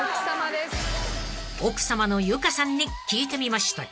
［奥さまのゆかさんに聞いてみました］